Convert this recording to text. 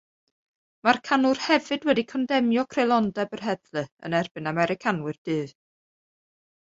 Mae'r canwr hefyd wedi condemnio creulondeb yr heddlu yn erbyn Americanwyr du.